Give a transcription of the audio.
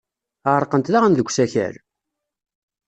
Ɛerqent daɣ deg usakal?